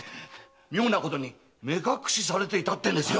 妙なことに目隠しされていたってんですよ。